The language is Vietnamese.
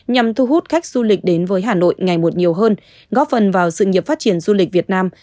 nhằm thu hút khách du lịch đến với hà nội ngày một nhiều hơn góp phần vào sự nghiệp phát triển du lịch việt nam